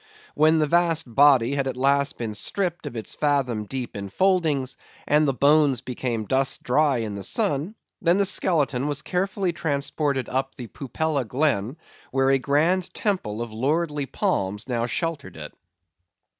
When the vast body had at last been stripped of its fathom deep enfoldings, and the bones become dust dry in the sun, then the skeleton was carefully transported up the Pupella glen, where a grand temple of lordly palms now sheltered it.